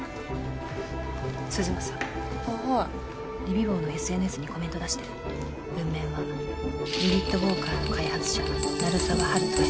鈴間さんあっはいリビウォーのＳＮＳにコメント出して文面は「リビットウォーカーの開発者鳴沢温人へ」